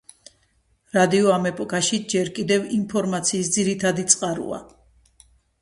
რადიო ამ ეპოქაში ჯერ კიდევ ინფორმაციის ძირითადი წყაროა.